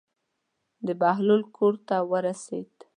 د بهلول کور ته ورسېد.